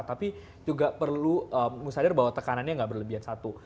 tapi juga perlu sadar bahwa tekanannya nggak berlebihan satu